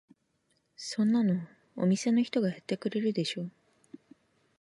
そんなのお店の人がやってくれるでしょ。